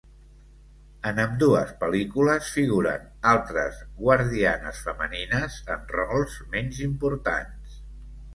En ambdues pel·lícules figuren altres guardianes femenines en rols menys importants.